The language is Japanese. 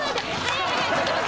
ちょっと待って。